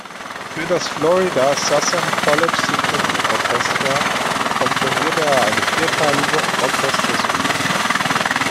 Für das "Florida Southern College Symphony Orchestra" komponierte er eine vierteilige Orchestersuite.